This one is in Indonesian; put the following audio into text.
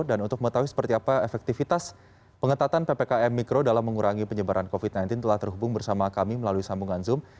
dan untuk mengetahui seperti apa efektivitas pengetatan ppkm mikro dalam mengurangi penyebaran covid sembilan belas telah terhubung bersama kami melalui sambungan zoom